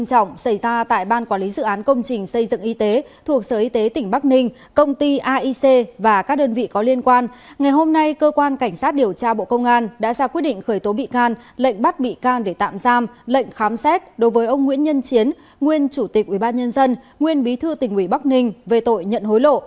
công ty aic và các đơn vị có liên quan ngày hôm nay cơ quan cảnh sát điều tra bộ công an đã ra quyết định khởi tố bị can lệnh bắt bị can để tạm giam lệnh khám xét đối với ông nguyễn nhân chiến nguyên chủ tịch ubnd nguyên bí thư tỉnh uỷ bắc ninh về tội nhận hối lộ